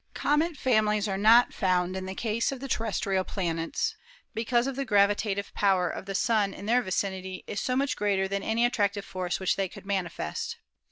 Comet families are not found in the case of the terrestrial planets, because the gravitative power of the Sun in their vicinity is so much greater than any attractive force which they could manifest.